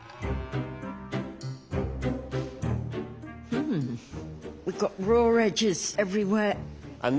うん。